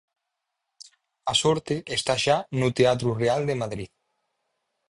A sorte está xa no Teatro Real de Madrid.